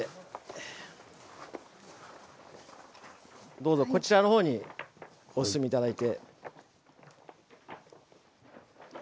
どうぞこちらの方にお進み頂いて。